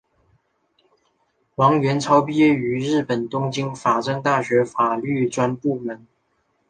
王元超毕业于日本东京法政大学法律专门部。